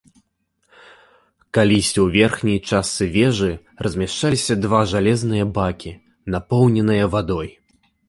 Калісьці ў верхняй частцы вежы размяшчаліся два жалезныя бакі, напоўненыя вадой.